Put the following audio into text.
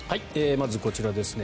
まず、こちらですね。